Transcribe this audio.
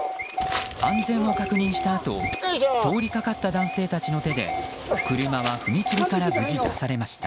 安全を確認したあと通りかかった男性たちの手で車は踏切から無事出されました。